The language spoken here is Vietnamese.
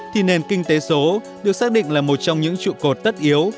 thì nền kinh tế số được xác định là một trong những trụ cột tất yếu